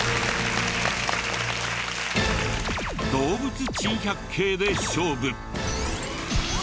動物珍百景で勝負！